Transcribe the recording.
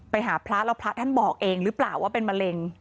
ไปหาพระแล้วพระท่านบอกเองหรือเปล่าว่าเป็นมะเร็ง